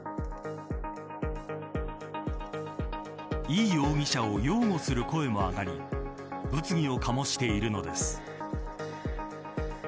イ容疑者を擁護する声も上がり物議を醸しているのです。